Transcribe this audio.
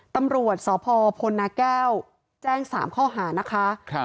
ตำรวจสพพลนาแก้วแจ้ง๓ข้อหานะคะ